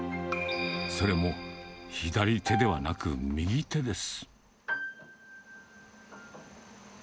それも左手ではなく、右手です。